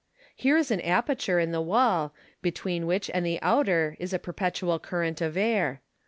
Here is an aperture in the wall, between which and the outer is a perpetual current of air.